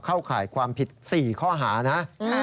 ข่ายความผิด๔ข้อหานะ